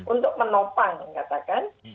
untuk menopang katakan